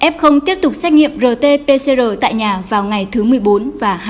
f tiếp tục xét nghiệm rt pcr tại nhà vào ngày thứ một mươi bốn và hai mươi